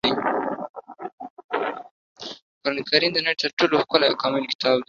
قرانکریم د نړۍ تر ټولو ښکلی او کامل کتاب دی.